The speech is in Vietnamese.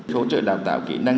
hỗ trợ đào tạo kỹ năng